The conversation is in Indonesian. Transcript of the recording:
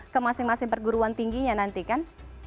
ke masing masing perguruan tingginya nanti kan